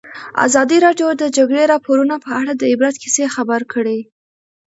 ازادي راډیو د د جګړې راپورونه په اړه د عبرت کیسې خبر کړي.